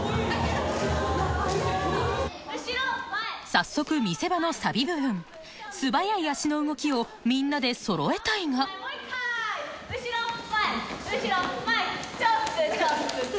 早速見せ場のサビ部分素早い足の動きをみんなでそろえたいが後ろ前後ろ前チョップチョップ。